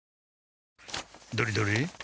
どれどれ？